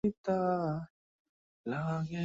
যুদ্ধ শেষ হইবামাত্র ইহারা লুণ্ঠনে অগ্রসর হয়।